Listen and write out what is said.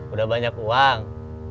udah banyak uang